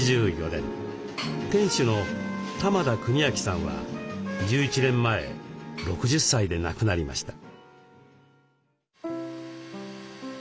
店主の玉田國昭さんは１１年前６０歳で亡くなりました。